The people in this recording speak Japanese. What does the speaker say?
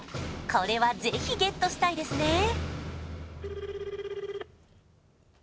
これはぜひゲットしたいですね